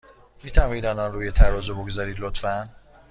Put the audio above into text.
می توانید آن را روی ترازو بگذارید، لطفا؟